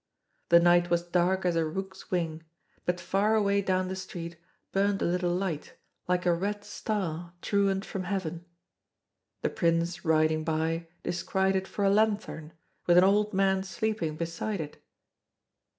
The night was dark as a rook's wing, but far away down the street burned a little light, like a red star truant from heaven. The Prince riding by descried it for a lanthorn, with an old man sleeping beside it.